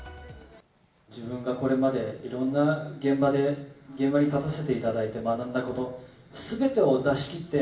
自分がこれまでいろんな現場で、現場に立たせていただいて学んだこと、すべてを出しきって。